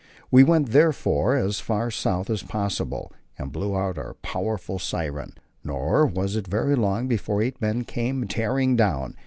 We went therefore as far south as possible and blew our powerful siren; nor was it very long before eight men came tearing down.